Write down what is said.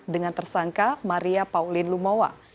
dengan tersangka maria pauline lumowa